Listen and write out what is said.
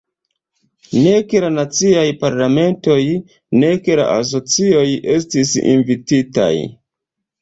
Nek la naciaj parlamentoj nek la asocioj estis invititaj.